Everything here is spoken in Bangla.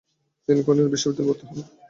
তিনি কনিগ্সবার্গ বিশ্ববিদ্যালয়ে ভর্তি হন।